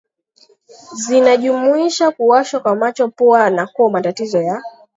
zinajumuisha kuwashwa kwa macho pua na koo matatizo ya